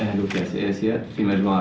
dan indo philosophia juga menyedoakan